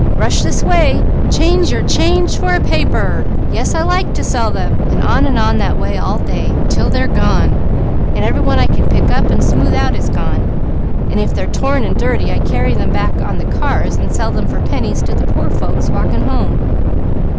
Rush this way! Change your change for a paper! Yes, I like to sell them ' and on and on that way all day, 'til they're gone and every one I pick up and smooth out is gone, and if they're torn and dirty, I carry them back on the cars and sell them for pennies to the poor folks walking home."